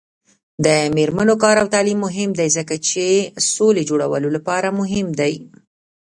د میرمنو کار او تعلیم مهم دی ځکه چې سولې جوړولو لپاره مهم دی.